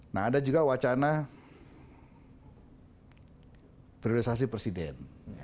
nah ada juga wacana priorisasi presiden